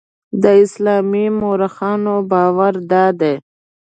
د اسلامي مورخانو باور دادی.